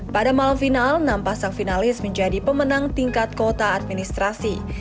pada malam final enam pasang finalis menjadi pemenang tingkat kota administrasi